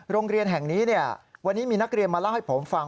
โรงเรียนแห่งนี้วันนี้มีนักเรียนมาเล่าให้ผมฟัง